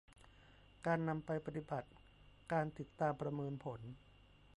การนำไปปฏิบัติ การติดตามประเมินผล